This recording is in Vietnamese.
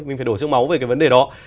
mình phải đổ sương máu về cái vấn đề đó